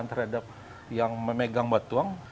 terhadap yang memegang batuang